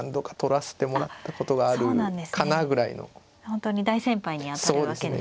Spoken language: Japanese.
本当に大先輩にあたるわけですね。